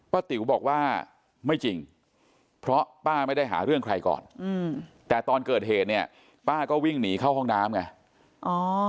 ติ๋วบอกว่าไม่จริงเพราะป้าไม่ได้หาเรื่องใครก่อนแต่ตอนเกิดเหตุเนี่ยป้าก็วิ่งหนีเข้าห้องน้ำไง